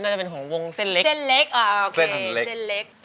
อันดับนี้เป็นแบบนี้